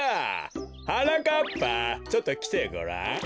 はなかっぱちょっときてごらん。